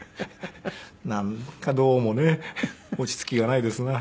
なんかどうもね落ち着きがないですな。